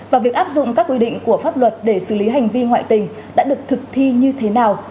và việc áp dụng các quy định của pháp luật để xử lý hành vi ngoại tình đã được thực thi như thế nào